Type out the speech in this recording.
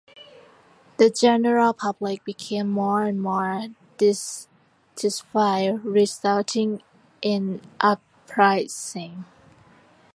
The general public became more and more dissatisfied, resulting in uprisings.